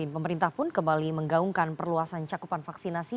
pemerintah pun kembali menggaungkan perluasan cakupan vaksinasi